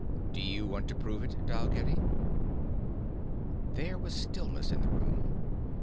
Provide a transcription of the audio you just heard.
"Do you want to prove it, Dalgetty?" There was stillness in the room.